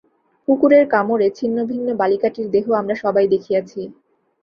কুকুরের কামড়ে ছিন্নভিন্ন বালিকাটির দেহ আমরা সবাই দেখিয়াছি।